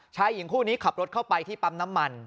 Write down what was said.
ชายหญิงคู่นี้ขับรถเข้าไปที่ปั๊มน้ำมัน